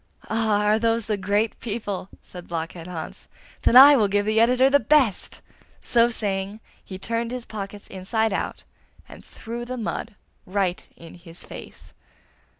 'Ah! are those the great people?' said Blockhead Hans. 'Then I will give the editor the best!' So saying, he turned his pockets inside out, and threw the mud right in his face.